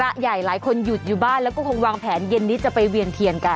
ใหญ่หลายคนหยุดอยู่บ้านแล้วก็คงวางแผนเย็นนี้จะไปเวียนเทียนกัน